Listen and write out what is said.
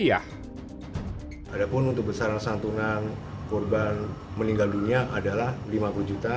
ada pun untuk besaran santunan korban meninggal dunia adalah lima puluh juta